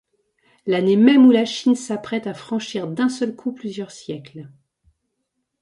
L'année même où la Chine s'apprête à franchir d'un seul coup plusieurs siècles.